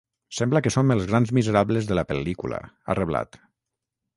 Sembla que som els grans miserables de la pel·lícula, ha reblat.